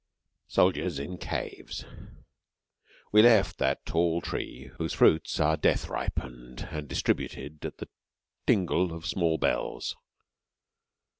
SOLDIERS IN CAVES We left that tall tree whose fruits are death ripened and distributed at the tingle of small bells.